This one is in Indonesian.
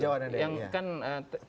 jawa dan delhi